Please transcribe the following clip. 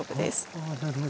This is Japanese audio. はあなるほど。